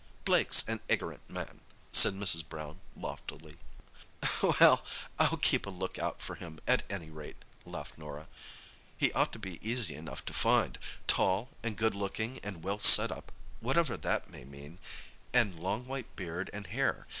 "Blake's an iggerant man," said Mrs. Brown loftily. "Well, I'll keep a look out for him, at any rate," laughed Norah. "He ought to be easy enough to find—tall and good looking and well set up—whatever that may mean—and long white beard and hair.